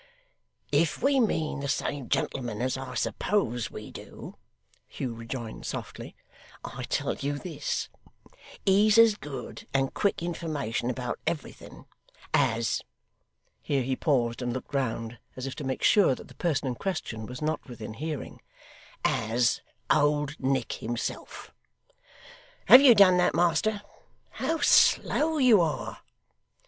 'If we mean the same gentleman, as I suppose we do,' Hugh rejoined softly, 'I tell you this he's as good and quick information about everything as ' here he paused and looked round, as if to make sure that the person in question was not within hearing, 'as Old Nick himself. Have you done that, master? How slow you are!